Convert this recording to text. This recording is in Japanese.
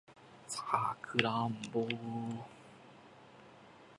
サクランボ